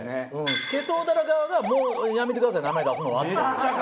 スケトウダラ側が「もうやめてください名前出すのは」っていう。